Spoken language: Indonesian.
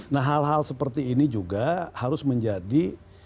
nah hal hal seperti ini juga harus menjadi